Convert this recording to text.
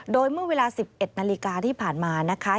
โดยเมื่อเวลา๑๑นาฬิกาที่ผ่านมานะคะ